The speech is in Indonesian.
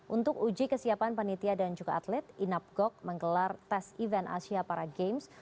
untuk uji kesiapan panitia dan juga atlet inapgok menggelar tes event asia para games